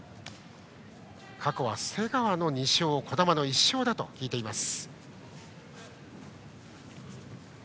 過去は瀬川の２勝児玉の１勝だと聞いています。